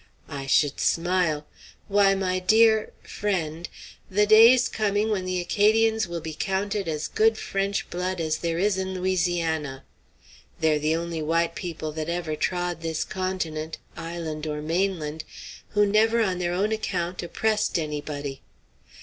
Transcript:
I should smile! Why, my dear friend, the day's coming when the Acadians will be counted as good French blood as there is in Louisiana! They're the only white people that ever trod this continent island or mainland who never on their own account oppressed anybody.